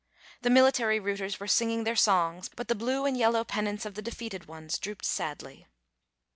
The military rooters were singing their songs, but the blue and yellow pennants of the defeated ones drooped sadly.